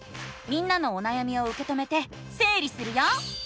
みんなのおなやみをうけ止めてせい理するよ！